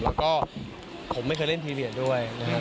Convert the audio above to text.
แล้วก็ผมไม่เคยเล่นพีเรียสด้วยนะครับ